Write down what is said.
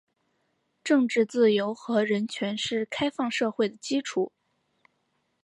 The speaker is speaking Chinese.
政治自由和人权是开放社会的基础。